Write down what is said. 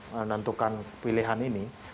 menentukan pilihan ini